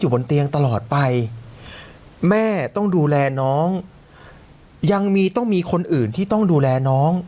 บนเตียงตลอดไปแม่ต้องดูแลน้องยังมีต้องมีคนอื่นที่ต้องดูแลน้อง